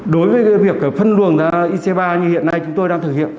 đối với việc phân luồng ic ba như hiện nay chúng tôi đang thực hiện